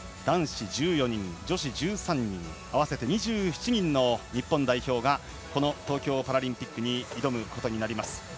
男子１４人、女子１３人合わせて２７人の日本代表がこの東京パラリンピックに挑むことになります。